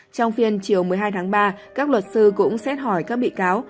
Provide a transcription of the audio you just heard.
trong phiên chiều một mươi hai tháng ba các luật sư cũng xét hỏi các bị cáo